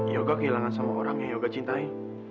yoga kehilangan sama orang yang yoga cintai